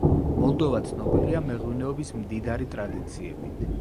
მოლდოვა ცნობილია მეღვინეობის მდიდარი ტრადიციებით.